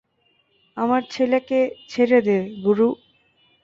আমার ছেলেকে ছেড়ে দে, গুরু।